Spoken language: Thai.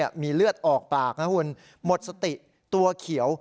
ที่น้องมีเลือดออกปากหมดสติตัวเขียว